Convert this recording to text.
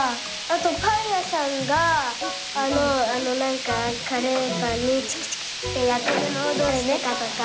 あとパンやさんがあのあのなんかカレーパンにチクチクチクってやってるのはどうしてかとか。